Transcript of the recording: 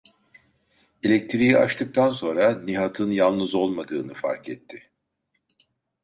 Elektriği açtıktan sonra Nihat’ın yalnız olmadığını fark etti.